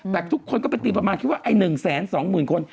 แต่ทุกคนก็ติดประมาณคิดว่า๑๒๐๐๐๐คน